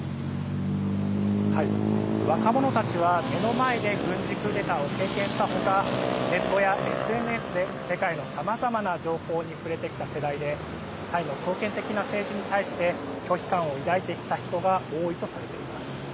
若者たちは、目の前で軍事クーデターを経験した他ネットやＳＮＳで世界のさまざまな情報に触れてきた世代でタイの強権的な政治に対して拒否感を抱いてきた人が多いとされています。